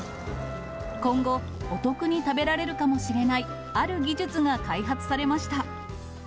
今後、お得に食べられるかもしれない、ある技術が開発されました。